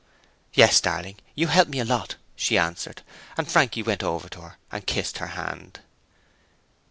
'Yes, darling, you helped me a lot,' she answered, and Frankie went over to her and kissed her hand.